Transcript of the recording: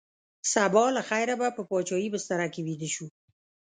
سبا له خیره به په شاهي بستره کې ویده شو.